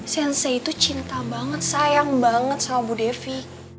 sensi itu cinta banget sayang banget sama bu devi